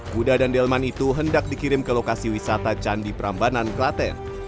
kuda dan delman itu hendak dikirim ke lokasi wisata candi prambanan klaten